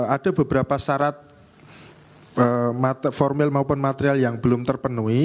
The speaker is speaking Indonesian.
ada beberapa syarat formil maupun material yang belum terpenuhi